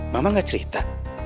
mama gak cerita